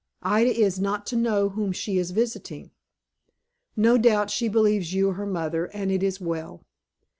Ida is not to know whom she is visiting. No doubt she believes you her mother, and it is well.